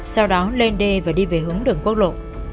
sau đó lên đê và đi về hướng đường quốc lộ